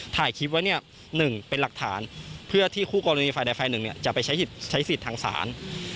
ถ่ายคลิปไว้เนี่ย๑เป็นหลักฐานเพื่อที่คู่กรณีฝ่ายใดฝ่ายหนึ่งจะไปใช้สิทธิ์ทางศาล